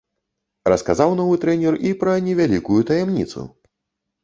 Расказаў новы трэнер і пра невялікую таямніцу.